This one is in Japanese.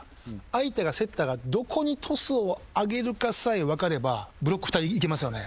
相手がセッターがどこにトスを上げるかさえ分かればブロック２人いけますよね。